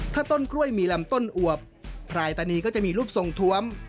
ถ้าต้นกล้วยมีลำต้นอวบพรายตานีก็จะมีรูปทรงทวม